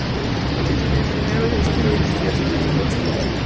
El primero es el Centro de Investigación Woods Hole.